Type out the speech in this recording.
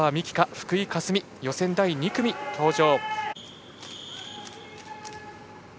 福井香澄予選第２組に登場。